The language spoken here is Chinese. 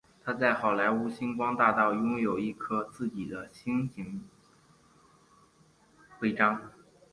他在好莱坞星光大道拥有一颗自己的星形徽章。